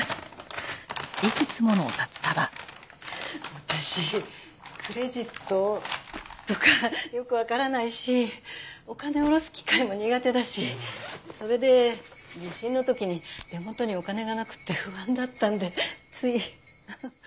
私クレジットとかよくわからないしお金下ろす機械も苦手だしそれで地震の時に手元にお金がなくて不安だったのでつい。